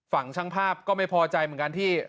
ฝั่งช่างภาพก็ไม่พอใจเหมือนกันที่